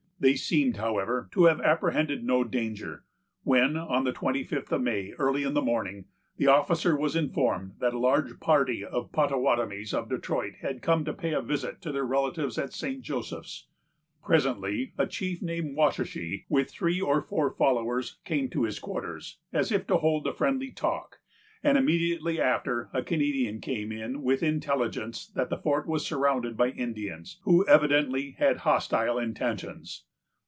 They seem, however, to have apprehended no danger, when, on the twenty fifth of May, early in the morning, the officer was informed that a large party of the Pottawattamies of Detroit had come to pay a visit to their relatives at St. Joseph's. Presently, a chief, named Washashe, with three or four followers, came to his quarters, as if to hold a friendly "talk;" and immediately after a Canadian came in with intelligence that the fort was surrounded by Indians, who evidently had hostile intentions.